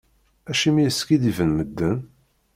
Acimi i skiddiben medden?